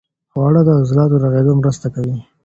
خواړه د عضلاتو رغېدو مرسته کوي.